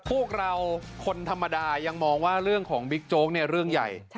พวกเราคนธรรมดายังมองว่าเรื่องของบิ๊กโจ๊กเนี่ยเรื่องใหญ่